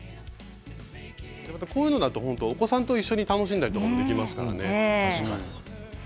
こういうのだとお子さんと一緒に楽しむこともできますからね。